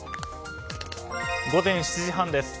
午前７時半です。